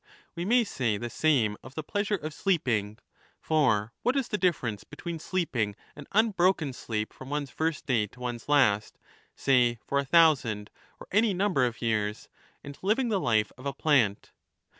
We may say the same of the pleasure of sleeping. For what is the difference between sleeping an unbroken sleep from one's first day to one's last, say for a thousand or any number of years, and living the life of a plant